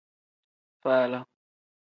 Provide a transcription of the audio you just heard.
Faala.